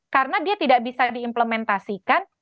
karena dia tidak bisa diimplementasikan